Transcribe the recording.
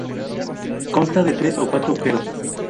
Consta de tres o cuatro agujeros.